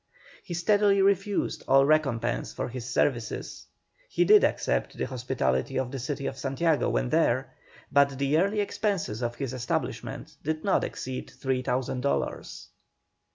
He steadily refused all recompense for his services; he did accept the hospitality of the city of Santiago when there, but the yearly expenses of his establishment did not exceed 3,000 dollars.